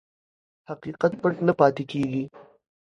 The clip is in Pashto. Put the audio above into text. حقیقت پټ نه پاتې کېږي.